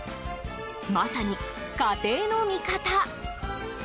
まさに、家庭の味方。